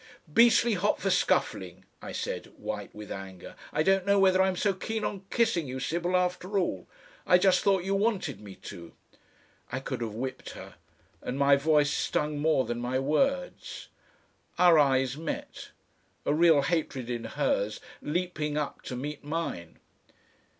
"Beastly hot for scuffling," I said, white with anger. "I don't know whether I'm so keen on kissing you, Sybil, after all. I just thought you wanted me to." I could have whipped her, and my voice stung more than my words. Our eyes met; a real hatred in hers leaping up to meet mine.